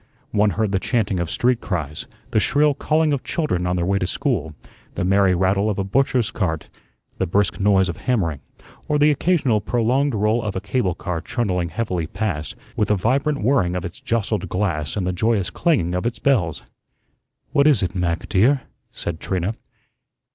One heard the chanting of street cries, the shrill calling of children on their way to school, the merry rattle of a butcher's cart, the brisk noise of hammering, or the occasional prolonged roll of a cable car trundling heavily past, with a vibrant whirring of its jostled glass and the joyous clanging of its bells. "What is it, Mac, dear?" said Trina.